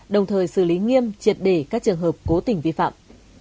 đồng thời xử lý nghiêm triệt đề các trường hợp cố tình vi phạm